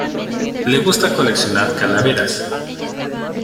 Le gusta coleccionar calaveras.